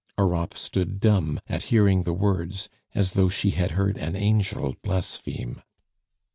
Europe stood dumb at hearing the words, as though she had heard an angel blaspheme.